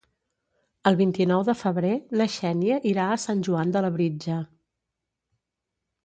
El vint-i-nou de febrer na Xènia irà a Sant Joan de Labritja.